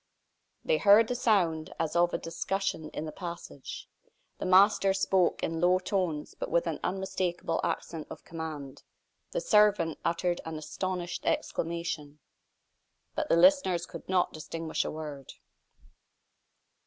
They heard the sound as of a discussion in the passage. The master spoke in low tones, but with an unmistakable accent of command; the servant uttered an astonished exclamation. But the listeners could not distinguish a word.